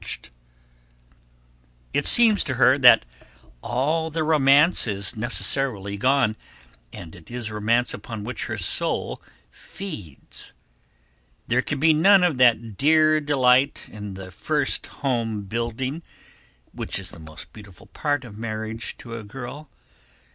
[Sidenote: The Food of her Soul] It seems to her that all the romance is necessarily gone and it is romance upon which her soul feeds. There can be none of that dear delight in the first home building, which is the most beautiful part of marriage to a girl.